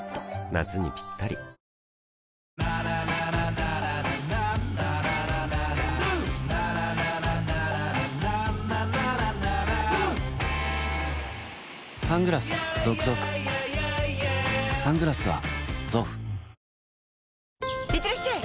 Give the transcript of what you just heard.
夏にピッタリいってらっしゃい！